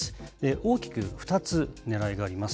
大きく２つねらいがあります。